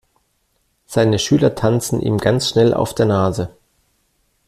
Seine Schüler tanzen ihm ganz schnell auf der Nase.